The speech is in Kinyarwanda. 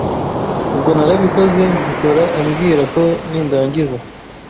Ubwo narabikoze mbikora ambwira ko nindangiza